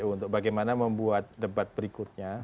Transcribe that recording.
untuk bagaimana membuat debat berikutnya